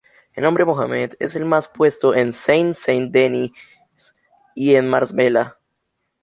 El nombre Mohamed es el más puesto en Seine-Saint-Denis y en Marsella.